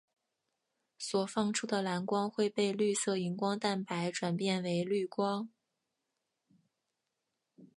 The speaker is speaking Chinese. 所放出的蓝光会被绿色荧光蛋白转变为绿光。